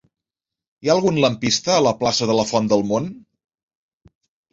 Hi ha algun lampista a la plaça de la Font del Mont?